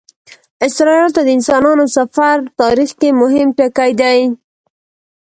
استرالیا ته د انسانانو سفر تاریخ کې مهم ټکی دی.